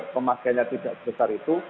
pemakaiannya tidak besar itu